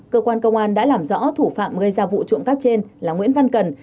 cơ quan công an đã làm rõ thủ phạm gây ra vụ trộm cắp trên là nguyễn văn cần